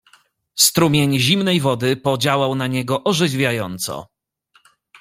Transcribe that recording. "Strumień zimnej wody podziałał na niego orzeźwiająco."